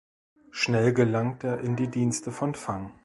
Schnell gelangt er in die Dienste von Fang.